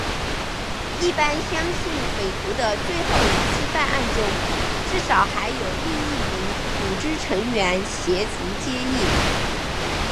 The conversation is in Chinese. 一般相信匪徒的最后一次犯案中至少还有另一名组织成员协助接应。